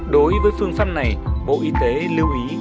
đối với phương pháp này bộ y tế lưu ý